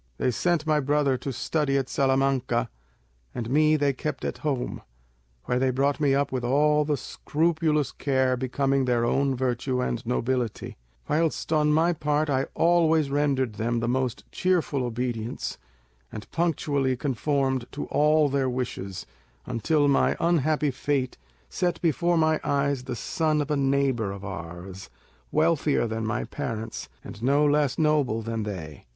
They sent my brother to study at Salamanca, and me they kept at home, where they brought me up with all the scrupulous care becoming their own virtue and nobility; whilst on my part I always rendered them the most cheerful obedience, and punctually conformed to all their wishes, until my unhappy fate set before my eyes the son of a neighbour of ours, wealthier than my parents, and no less noble than they.